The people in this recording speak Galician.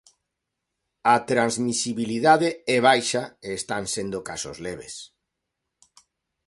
A transmisibilidade é baixa e están sendo casos leves.